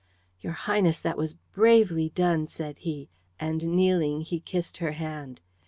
"Your Highness, that was bravely done," said he, and kneeling he kissed her hand.